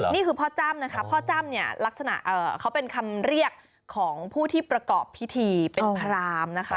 นี่คือพ่อจ้ำนะคะพ่อจ้ำเนี่ยลักษณะเขาเป็นคำเรียกของผู้ที่ประกอบพิธีเป็นพรามนะคะ